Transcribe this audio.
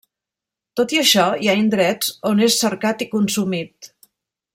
Tot i això, hi ha indrets on és cercat i consumit.